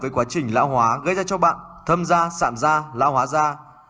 với quá trình lão hóa gây ra cho bạn thâm da sạm da lão hóa da